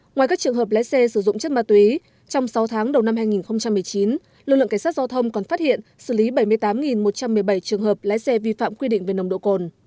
ngoài các trường hợp lái xe sử dụng chất ma túy trong sáu tháng đầu năm hai nghìn một mươi chín lực lượng cảnh sát giao thông còn phát hiện xử lý bảy mươi tám một trăm một mươi bảy trường hợp lái xe vi phạm quy định về nồng độ cồn